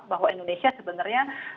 bahwa indonesia sebenarnya